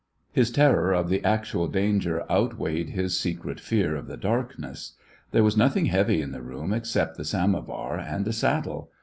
His terror of the actual danger out weighed his secret fear of the darkness. There was nothing heavy in the room except the samo var and a saddle.